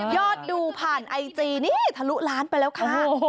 ดูผ่านไอจีนี่ทะลุล้านไปแล้วค่ะ